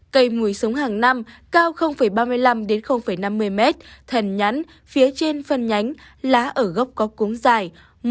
cây mùi sống hàng năm cao ba mươi năm năm mươi m thần nhắn phía trên phần nhánh lá ở góc có cúng dài